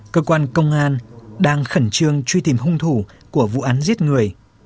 cơ quan công an đang khẩn trương truy tìm hung thủ của vụ án giết người